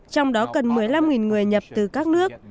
trong đó cần một mươi năm người nhập từ các nước